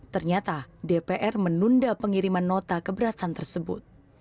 ternyata dpr menunda pengiriman nota keberatan tersebut